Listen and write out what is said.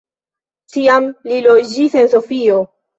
Tiam li loĝis en Sofio.